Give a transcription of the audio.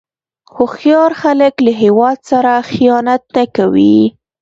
هوښیار خلک له هیواد سره خیانت نه کوي.